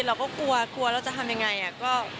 เราก็กลัวกลัวเราจะทำยังไง